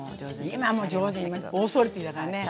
今もう上手にオーソリティーだからね。